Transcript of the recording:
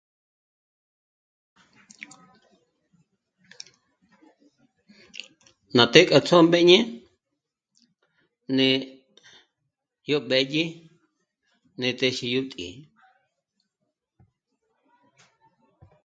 Ná të́'ë k'a ts'ómbeñe né'e yó b'ë́dyi n'ä́t'äji yó tǐ'i